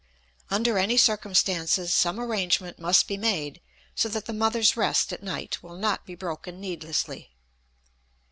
Under any circumstances some arrangement must be made so that the mother's rest at night will not be broken needlessly.